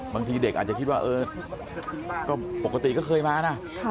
บางทีเด็กอาจจะคิดว่าเออก็ปกติก็เคยมานะ